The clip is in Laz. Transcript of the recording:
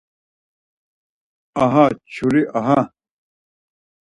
Aaha çuri ahaa...